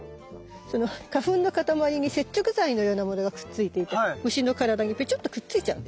その花粉のかたまりに接着剤のようなものがくっついていて虫の体にペチョっとくっついちゃうんです。